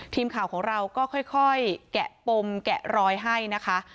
ทีมข่าวของเราก็ค่อยแกะปมแกะรอยให้นะคะ